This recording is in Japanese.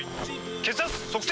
血圧測定！